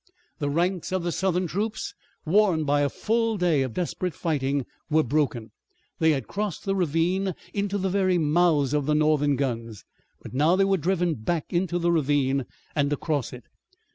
The ranks of the Southern troops, worn by a full day of desperate fighting, were broken. They had crossed the ravine into the very mouths of the Northern guns, but now they were driven back into the ravine and across it.